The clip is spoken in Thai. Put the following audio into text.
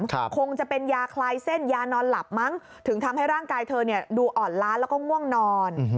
คงจะเป็นยาคลายเส้นยานอนหลับมั้งถึงทำให้ร่างกายเธอดูอ่อนล้าแล้วก็ง่วงนอน